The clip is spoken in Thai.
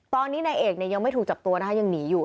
ตอนนี้นายเอกเนี่ยยังไม่ถูกจับตัวนะคะยังหนีอยู่